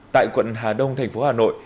tại quận hà đông thành phố hà nội